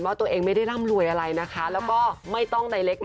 ปล่าบรายการลองดูด้วย